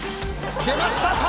出ました